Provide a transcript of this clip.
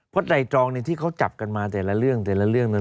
เพราะใดตรองที่เขาจับกันมาแต่ละเรื่องแต่ละเรื่องนั้น